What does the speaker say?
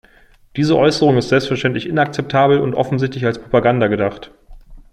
Diese Äußerung ist selbstverständlich inakzeptabel und offensichtlich als Propaganda gedacht.